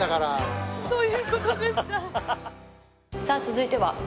さあ続いては。